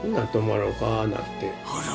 あら！